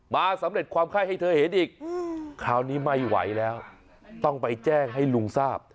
สำเร็จความไข้ให้เธอเห็นอีกคราวนี้ไม่ไหวแล้วต้องไปแจ้งให้ลุงทราบ